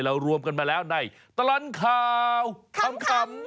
รวมกันมาแล้วในตลอดข่าวขำ